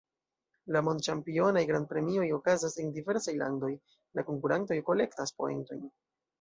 La mond-ĉampionaj grand-premioj okazas en diversaj landoj, la konkurantoj kolektas poentojn.